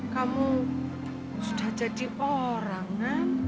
kamu sudah jadi orang kan